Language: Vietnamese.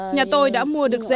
nhà tôi đã mua được dê và trộm